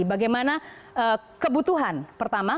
bagaimana kebutuhan pertama